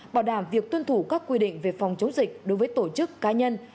bảo đảm việc tuân thủ các quy định về phòng chống dịch đối với tổ chức cá nhân